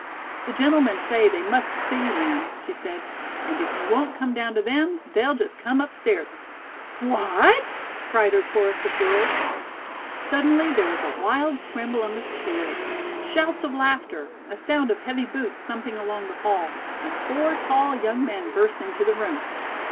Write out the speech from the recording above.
"The gentlemen say they must see you, ma'am," she said; "and if you won't come down to them, they'll just come upstairs." "What?" cried a chorus of girls. Suddenly there was a wild scramble on the stairs; shouts of laughter, a sound of heavy boots thumping along the hall, and four tall young men burst into the room.